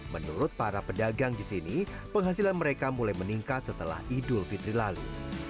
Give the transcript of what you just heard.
menurut para pedagang di sini penghasilan mereka mulai meningkat setelah idul fitri lalu